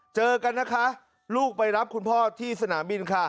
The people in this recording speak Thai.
เจอกันนะคะลูกไปรับคุณพ่อที่สนามบินค่ะ